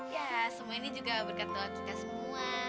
ya semua ini juga berkat doa kita semua